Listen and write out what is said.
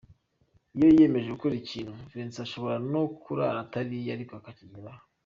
Iyo yiyemeje gukora ikintu, Vincent ashobora no kurara atariye ariko akakigeraho.